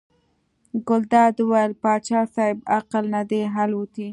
ګلداد وویل پاچا صاحب عقل نه دی الوتی.